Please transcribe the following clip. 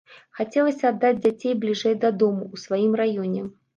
Хацелася аддаць дзяцей бліжэй да дому, у сваім раёне.